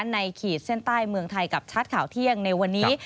ขีดเส้นใต้เมืองไทยกับชัดข่าวเที่ยงในวันนี้